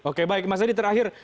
oke baik mas edi terakhir